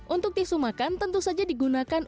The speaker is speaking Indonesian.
untuk tisu makan tentu saja digunakan